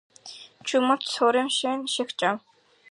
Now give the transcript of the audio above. ჩუმად თორემ მე შეგჭამ